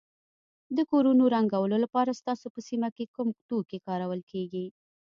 د کورونو رنګولو لپاره ستاسو په سیمه کې کوم توکي کارول کیږي.